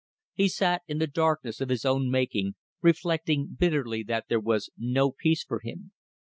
He sat in the darkness of his own making, reflecting bitterly that there was no peace for him.